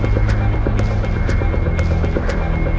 ใช่ค่ะ